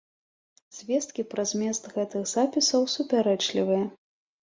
Звесткі пра змест гэтых запісаў супярэчлівыя.